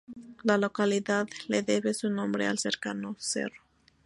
La localidad le debe su nombre al cercano cerro.